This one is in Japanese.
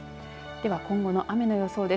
では今後の雨の予想です。